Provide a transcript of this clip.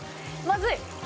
まずい！